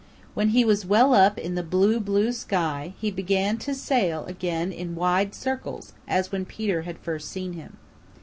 When he was well up in the blue, blue sky, he began to sail again in wide circles as when Peter had first seen him.